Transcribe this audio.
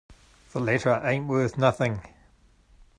The letter ain't worth nothing.